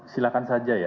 silahkan saja ya